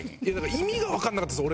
意味がわからなかったです俺。